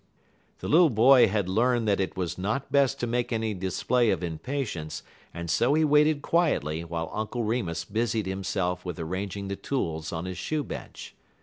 The little boy had learned that it was not best to make any display of impatience, and so he waited quietly while Uncle Remus busied himself with arranging the tools on his shoe bench.